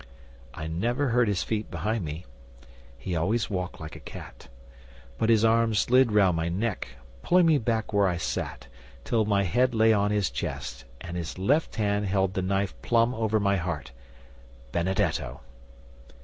'I never heard his feet behind me he always walked like a cat but his arm slid round my neck, pulling me back where I sat, till my head lay on his chest, and his left hand held the knife plumb over my heart Benedetto!